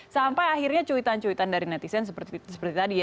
sampai akhirnya cuitan cuitan dari netizen seperti tadi ya